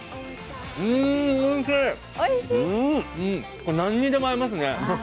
これ何にでも合いますね。